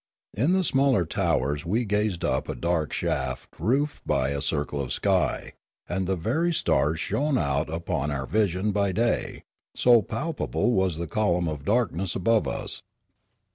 In the smaller towers we gazed up a dark shaft roofed by a circle of sky, and the very stars shone out upon our vision by day, so palpable was the column of darkness above us.